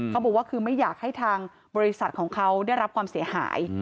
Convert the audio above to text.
เขาบอกว่าคือไม่อยากให้ทางบริษัทของเขาได้รับความเสียหาย